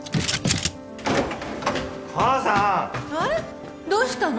母さんえっどうしたの？